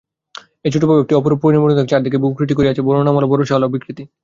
এই ছোটো একটি অপরূপ পরিপূর্ণতাকে চারদিকে ভ্রূকুটি করে ঘিরে আছে বড়োনামওআলা বড়োছায়াওআলা বিকৃতি।